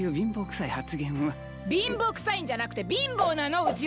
貧乏くさいんじゃなくて貧乏なのうちは！